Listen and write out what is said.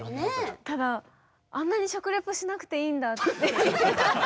ただあんなに食リポしなくていいんだっていう。